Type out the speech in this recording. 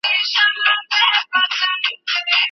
او سمدستي مي څو عکسونه واخیستل.